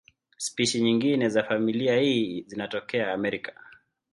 Spishi nyingine za familia hii zinatokea Amerika.